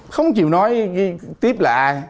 không chịu nói tiếp là ai